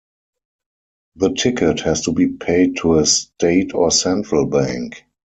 The ticket has to be paid to a state or central bank.